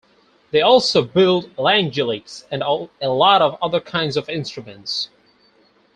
They also build langeleiks and a lot of other kinds of instruments.